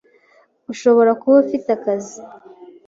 Ushobora kuba ufite akazi,